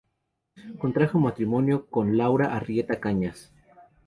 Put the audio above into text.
Contrajo matrimonio con "Laura Arrieta Cañas".